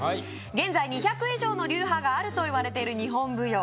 現在２００以上の流派があるといわれている日本舞踊